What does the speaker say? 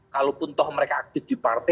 kalaupun toh mereka aktif di partai